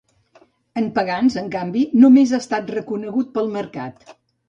En Pagans, en canvi, només ha estat reconegut pel mercat.